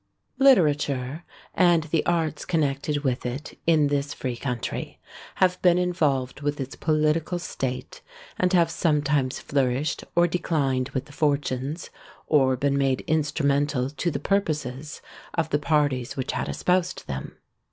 Literature, and the arts connected with it, in this free country, have been involved with its political state, and have sometimes flourished or declined with the fortunes, or been made instrumental to the purposes, of the parties which had espoused them.